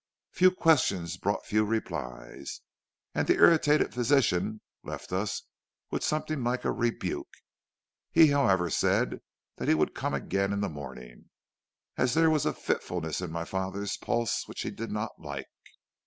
Few questions brought few replies, and the irritated physician left us with something like a rebuke. He however said he would come again in the morning, as there was a fitfulness in my father's pulse which he did not like.